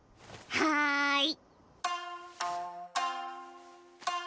はい！